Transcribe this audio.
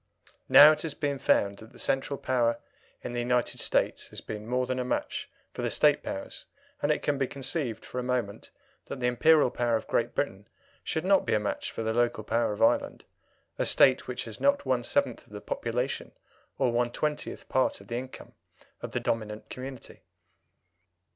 Now it has been found that the Central power in the United States has been more than a match for the State powers, and can it be conceived for a moment that the Imperial power of Great Britain should not be a match for the Local power of Ireland a State which has not one seventh of the population or one twentieth part of the income of the dominant community?